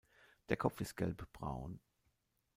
Der Kopf ist gelbbraun.